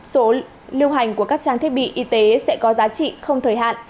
số lưu hành của các trang thiết bị y tế sẽ có giá trị không thời hạn